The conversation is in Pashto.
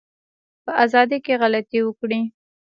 په ازادی کی غلطي وکړی